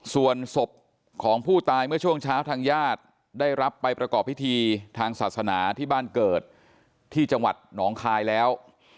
ส่วนศพของผู้ตายเมื่อช่วงเช้าทางญาติได้รับไปประกอบพิธีทางศาสนาที่บ้านเกิดที่จังหวัดหนองคายแล้ว